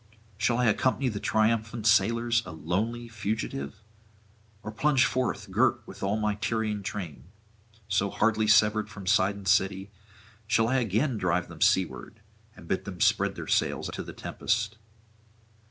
shall I accompany the triumphant sailors, a lonely fugitive? or plunge forth girt with all my Tyrian train? so hardly severed from Sidon city, shall I again drive them seaward, and bid them spread their sails to the tempest?